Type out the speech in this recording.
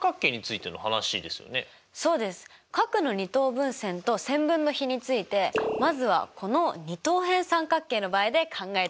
分線と線分の比についてまずはこの二等辺三角形の場合で考えてみましょう。